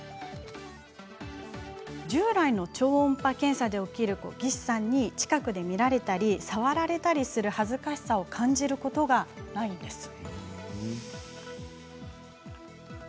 従来の超音波検査で起きる技師さんに近くで見られたり触られたりする恥ずかしさを感じることがないんです。